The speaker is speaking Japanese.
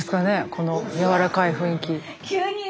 この柔らかい雰囲気。